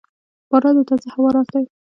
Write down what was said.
• باران د تازه هوا راز دی.